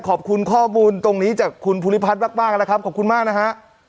ขอบคุณข้อมูลตรงนี้จากคุณภูริพัฒน์มากนะครับขอบคุณมากนะฮะ